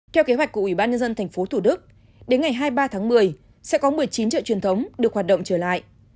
theo kế hoạch của ủy ban nhân dân tp thủ đức đến ngày hai mươi ba tháng một mươi sẽ có một mươi chín chợ truyền thống được hoạt động trở lại